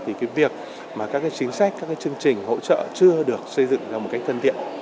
thì việc các chính sách các chương trình hỗ trợ chưa được xây dựng ra một cách thân thiện